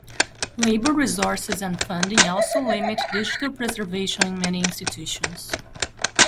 Labour resources and funding also limit digital preservation in many institutions.